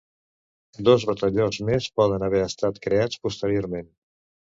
Dos batallons més poden haver estat creats posteriorment.